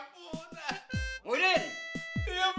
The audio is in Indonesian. ampun ampun ampun ampun